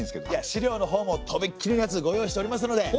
資料のほうもとびっきりのやつご用意しておりますので！